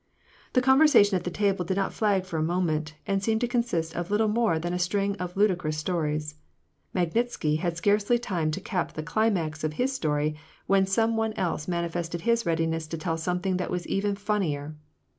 The conversation at tlie table did not flag for a moment, and seemed to consist of little more than a string of ludicrous stories. Magnitsky had scarcely time to cap the climax, of his story, when some one else manifested his readiness to tell something that was even funnier.